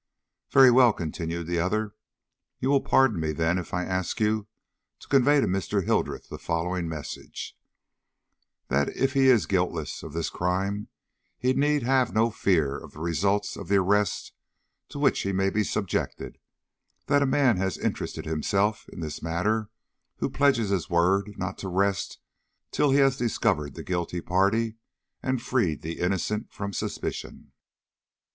"Very well," continued the other, "you will pardon me, then, if I ask you to convey to Mr. Hildreth the following message: That if he is guiltless of this crime he need have no fear of the results of the arrest to which he may be subjected; that a man has interested himself in this matter who pledges his word not to rest till he has discovered the guilty party and freed the innocent from suspicion."